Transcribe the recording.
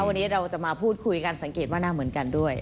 วันนี้เราจะมาพูดคุยกันสังเกตว่าหน้าเหมือนกันด้วย